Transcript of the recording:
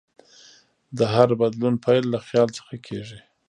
د هر بدلون پیل له خیال څخه کېږي.